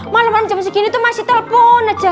malam malam jam segini masih telepon aja